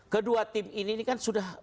kedua tim ini kan sudah